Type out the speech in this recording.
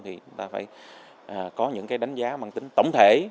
thì chúng ta phải có những cái đánh giá mang tính tổng thể